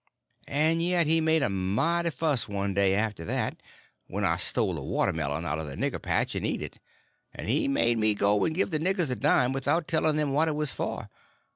And yet he made a mighty fuss, one day, after that, when I stole a watermelon out of the nigger patch and eat it; and he made me go and give the niggers a dime without telling them what it was for.